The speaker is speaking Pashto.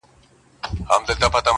• یو ګیدړ چي تر دا نورو ډېر هوښیار وو -